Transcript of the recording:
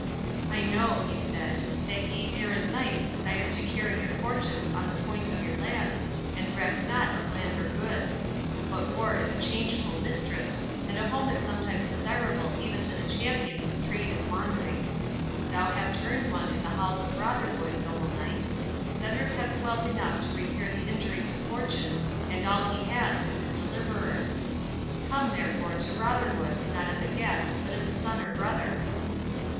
"I know," he said, "that ye errant knights desire to carry your fortunes on the point of your lance, and reck not of land or goods; but war is a changeful mistress, and a home is sometimes desirable even to the champion whose trade is wandering. Thou hast earned one in the halls of Rotherwood, noble knight. Cedric has wealth enough to repair the injuries of fortune, and all he has is his deliverer's—Come, therefore, to Rotherwood, not as a guest, but as a son or brother."